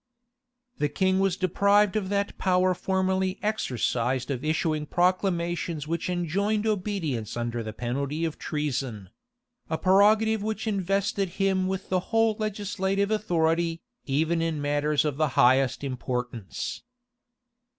The king was deprived of that power formerly exercised of issuing proclamations which enjoined obedience under the penalty of treason; a prerogative which invested him with the whole legislative authority, even in matters of the highest importance.